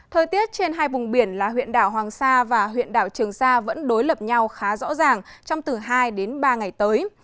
thời tiết trên hai vùng biển là huyện đảo hoàng sa và huyện đảo trường sa vẫn đối lập nhau khá rõ ràng trong từ hai đến ba ngày tới